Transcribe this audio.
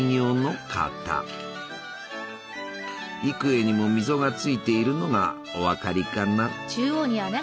幾重にも溝がついているのがお分かりかな？